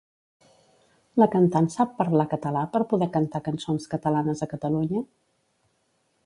La cantant sap parlar català per poder cantar cançons catalanes a Catalunya?